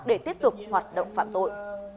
để tiếp tục hoạt động phạm tội